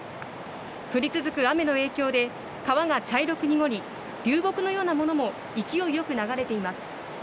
降り続く雨の影響で川が茶色く濁り流木のようなものも勢いよく流れています。